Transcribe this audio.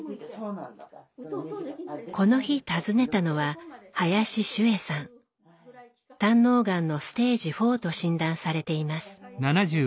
この日訪ねたのは胆のうがんのステージ４と診断されています。